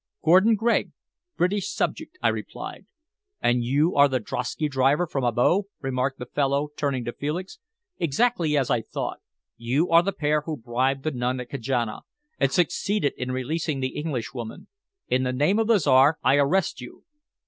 "Gordon Gregg, British subject," I replied. "And you are the drosky driver from Abo," remarked the fellow, turning to Felix. "Exactly as I thought. You are the pair who bribed the nun at Kajana, and succeeded in releasing the Englishwoman. In the name of the Czar, I arrest you!"